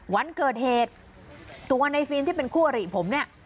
วันเกิดเหตุตัวในฟิล์มที่เป็นคู่อริผมเนี่ย